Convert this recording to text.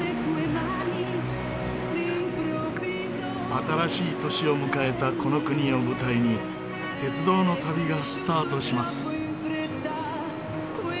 新しい年を迎えたこの国を舞台に鉄道の旅がスタートします。